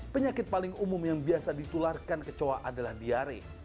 penyakit paling umum yang biasa ditularkan kecoa adalah diare